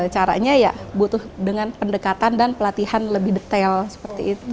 caranya ya butuh dengan pendekatan dan pelatihan lebih detail seperti itu